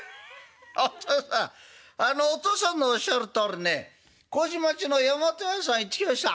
「お父さんあのお父さんのおっしゃるとおりね麹町のやまと屋さん行ってきました！